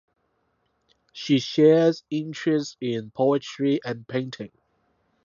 She shares interest in poetry and painting.